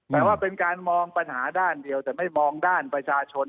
แต่ว่าเป็นการมองปัญหาด้านเดียวแต่ไม่มองด้านประชาชน